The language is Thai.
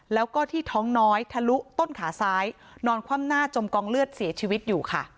แล้วก็ที่ท้องน้อยทะลุต้นขาซ้ายนอนคว่ำหน้าจมกองเลือดเสียชีวิตอยู่ค่ะ